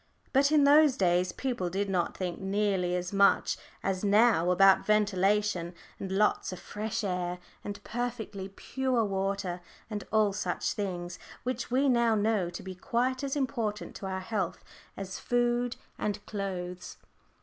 But in those days people did not think nearly as much as now about ventilation and lots of fresh air, and perfectly pure water, and all such things, which we now know to be quite as important to our health as food and clothes.